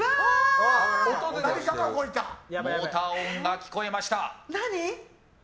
モーター音が聞こえました。